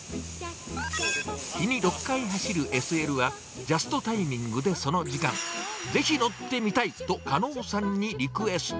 日に６回走るＳＬは、ジャストタイミングでその時間、ぜひ乗ってみたい！と加納さんにリクエスト。